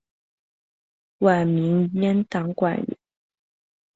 晚明阉党官员。